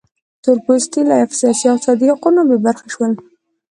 تور پوستي له سیاسي او اقتصادي حقونو بې برخې شول.